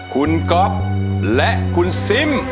คุณก๊อฟและคุณซิม